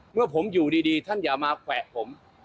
เมื่อผมอยู่ดีท่านอย่ามาแขวะผม